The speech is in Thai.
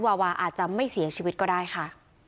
วาวาอาจจะไม่เสียชีวิตก็ได้ค่ะ